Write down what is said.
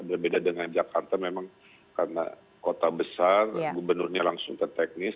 berbeda dengan jakarta memang karena kota besar gubernurnya langsung ke teknis